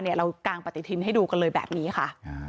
เรากางปฏิทินให้ดูกันเลยแบบนี้ค่ะ